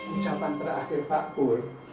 ucapan terakhir pak pur